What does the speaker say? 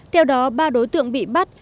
theo đó ba đối tượng bị bắt